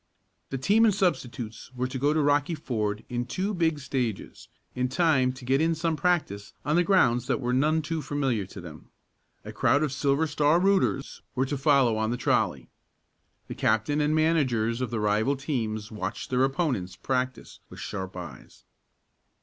The team and substitutes were to go to Rocky Ford in two big stages, in time to get in some practice on the grounds that were none too familiar to them. A crowd of Silver Star "rooters" were to follow on the trolley. The captain and managers of the rival teams watched their opponents practice with sharp eyes.